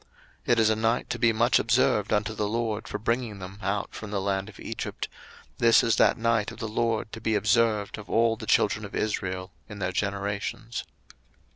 02:012:042 It is a night to be much observed unto the LORD for bringing them out from the land of Egypt: this is that night of the LORD to be observed of all the children of Israel in their generations.